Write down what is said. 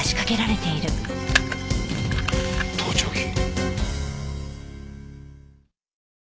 盗聴器？